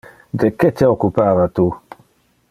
De que te occupava tu?